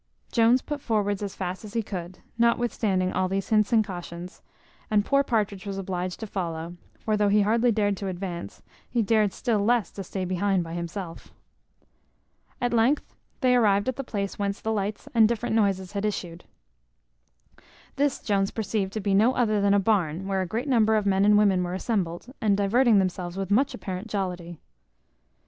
Jones put forwards as fast as he could, notwithstanding all these hints and cautions, and poor Partridge was obliged to follow; for though he hardly dared to advance, he dared still less to stay behind by himself. At length they arrived at the place whence the lights and different noises had issued. This Jones perceived to be no other than a barn, where a great number of men and women were assembled, and diverting themselves with much apparent jollity.